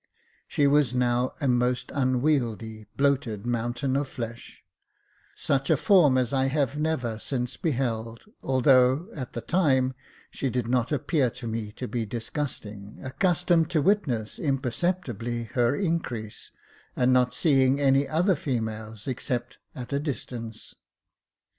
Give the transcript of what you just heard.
She was now a most unwieldy, bloated mountain of flesh, such a form as I have never since beheld, although, at the time, she did not appear to me to be disgusting, accustomed to witness imperceptibly her increase, and not seeing any other females, except at a distance.